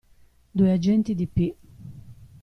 Due agenti di P.